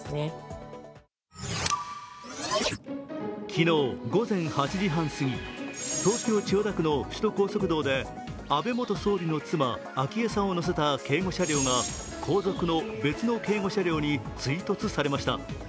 昨日午前８時半すぎ、東京・千代田区の首都高速道で、安倍元総理の妻・昭恵さんを乗せた警護車両が後続の別の警護車両に追突されました。